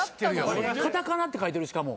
カタカナって書いてるしかも。